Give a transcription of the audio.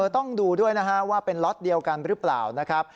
ต้องดูด้วยนะฮะว่าเป็นล็อตเดียวกันหรือเปล่านะครับ